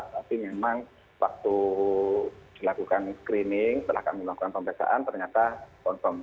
tapi memang waktu dilakukan screening setelah kami melakukan pemeriksaan ternyata confirm